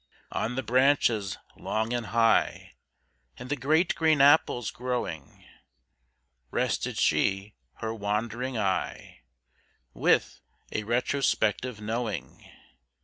On the branches long and high, And the great green apples growing, Rested she her wandering eye, With a retrospective knowing.